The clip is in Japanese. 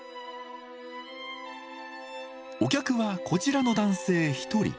お客はこちらの男性１人。